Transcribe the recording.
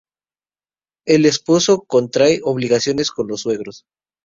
El esposo contrae obligaciones con los suegros.